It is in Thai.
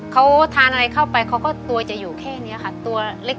เขาทานอะไรเข้าไปเขาก็ตัวจะอยู่แค่นี้ค่ะตัวเล็ก